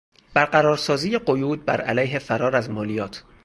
برقرارسازی قیود بر علیه فرار از مالیات